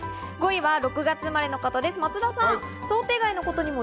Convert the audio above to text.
５位は６月生まれの方です、松田さん。